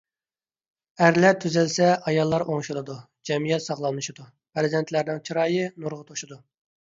ئەرلەر تۈزەلسە ئاياللار ئوڭشىلىدۇ، جەمئىيەت ساغلاملىشىدۇ، پەرزەنتلەرنىڭ چىرايى نۇرغا توشىدۇ.